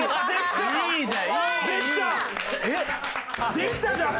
できたじゃん！